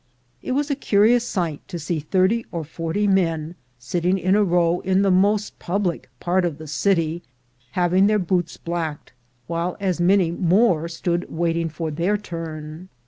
It was a curious sight to see thirty or forty men sitting in a row in the most public part of the city having their boots blacked, while as many more stood waiting for their turn.